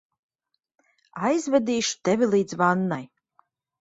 Aizvedīšu tevi līdz vannai.